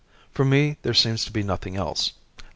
For me there seems to be nothing else.